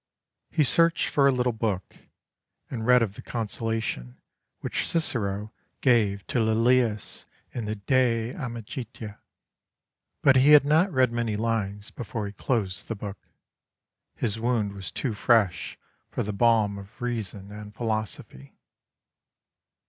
He searched for a little book, and read of the consolation which Cicero gave to Laelius in the De Amicitia. But he had not read many lines before he closed the book. His wound was too fresh for the balm of reason and philosophy.